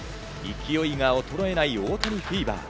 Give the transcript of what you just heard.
勢いが衰えない大谷フィーバー。